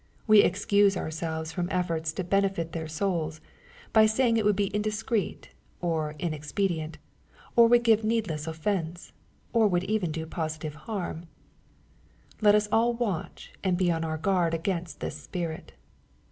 We ex cuse ourselves from efforts to benefit their souls, by saying it would be indiscreet, or inexpedient, or would give need less offence, or would even do positive harm. Let us all watch and be on our guard against this spirit.